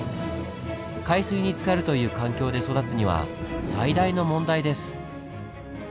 海水につかるという環境で育つには最大の問題です。